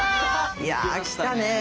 いや来たね。